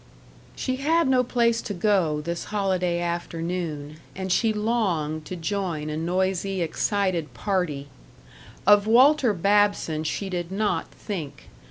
She had no place to go this holiday afternoon, and she longed to join a noisy, excited party. Of Walter Babson she did not think.